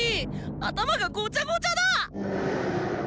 頭がごちゃごちゃだ。